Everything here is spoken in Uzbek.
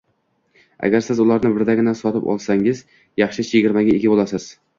Agar siz ularni birdaniga sotib olsangiz, yaxshi chegirmaga ega bo'lasiz